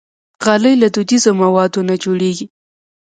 غالۍ له دودیزو موادو نه جوړېږي.